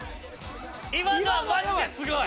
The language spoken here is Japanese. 今のはマジですごい！